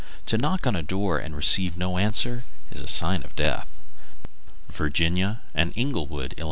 To knock on a door and receive no answer is a sign of death. _Virginia and Englewood, Ill.